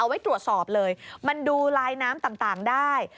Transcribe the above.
ไว้ตรวจสอบเลยมันดูลายน้ำต่างได้